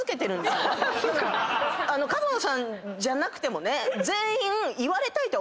角野さんじゃなくてもね全員。